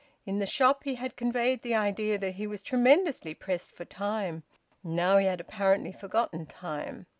In the shop he had conveyed the idea that he was tremendously pressed for time; now he had apparently forgotten time.